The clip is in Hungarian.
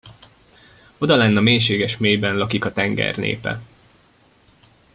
Odalenn a mélységes mélyben lakik a tenger népe.